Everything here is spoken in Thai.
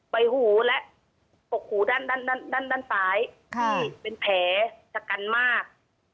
ใบหูและปกหูด้านซ้ายเป็นแผลชะกันมาก